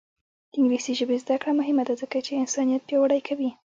د انګلیسي ژبې زده کړه مهمه ده ځکه چې انسانیت پیاوړی کوي.